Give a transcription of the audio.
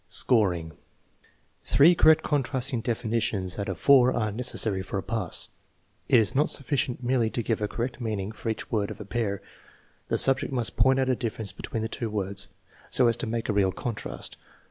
Scoring. Three correct contrasting definitions out of four are necessary for a pass. It is not sufficient merely to give a correct meaning for each word of a pair; the subject 1 See VIII, 6. AVERAGE ADULT, 3 325 must point out a difference between the two words so as to make a real contrast.